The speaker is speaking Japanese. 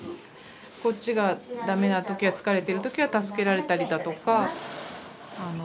こっちがダメな時は疲れてる時は助けられたりだとか。